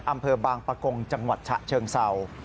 อำเภอบางปะกงจังหวัดฉะเชิงเศร้า